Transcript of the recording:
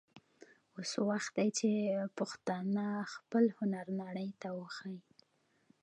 اوس وخت دی چې پښتانه خپل هنر نړۍ ته وښايي.